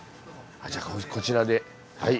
じゃあこちらではい。